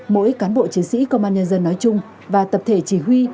mỗi cán bộ chiến sĩ công an nhân dân nói chung và tập thể chỉ huy